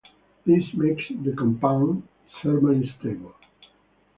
This makes the compound thermally stable.